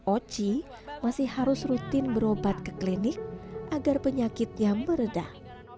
oci masih harus rutin berobat ke klinik agar penyakitnya meredah